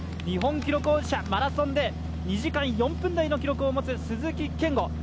日本記録保持者、マラソンで２時間４分台の記録を持つ鈴木健吾